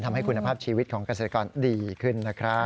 ทำให้คุณภาพชีวิตของเกษตรกรดีขึ้นนะครับ